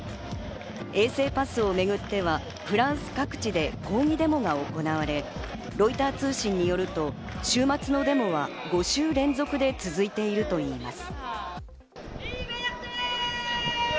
衛生パスをめぐっては、フランス各地で抗議デモが行われ、ロイター通信によると、週末のデモは５週連続で続いているといいます。